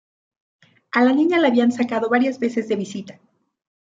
A la niña la habían sacado varias veces de visita.